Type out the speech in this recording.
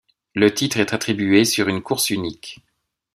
Le titre est attribué sur une course unique.